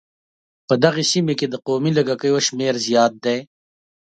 په دغې سيمې کې د قومي لږکيو شمېر زيات دی.